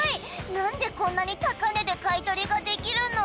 なんでこんなに高値で買い取りができるの？